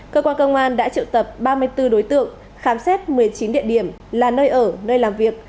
cơ quan công an đã triệu tập ba mươi bốn đối tượng khám xét một mươi chín địa điểm là nơi ở nơi làm việc